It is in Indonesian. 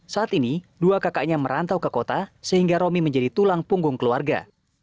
saat ini dua kakaknya merantau ke kota sehingga romi menjadi tulang punggung keluarga